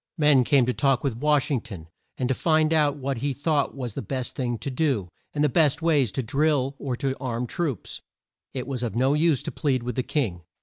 Men came to talk with Wash ing ton and to find out what he thought was the best thing to do, and the best way to drill or to arm troops. It was of no use to plead with the king.